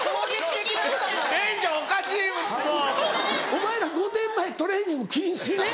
お前ら『御殿‼』前トレーニング禁止ね。